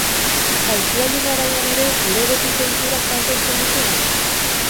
Aisialdi garaian ere gure betiko ohiturak mantentzen ditugu?